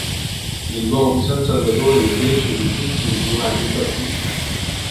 Nel Duomo di San Salvatore, invece, dipinse un "Giovanni Battista".